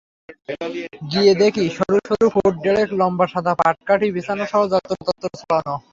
গিয়ে দেখি, সরু সরু ফুট দেড়েক লম্বা সাদা পাটকাঠি বিছানাসহ যত্রতত্র ছড়ানো।